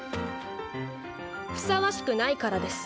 ふさわしくないからです。